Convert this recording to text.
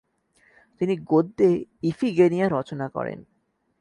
তিনি গদ্যে ইফিগেনিয়া রচনা করেন।